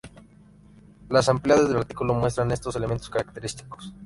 Las ampliadas del artículo muestran estos elementos característicos.